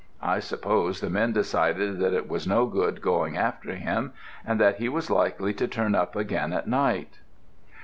I suppose the men decided that it was no good going after him, and that he was likely to turn up again at night.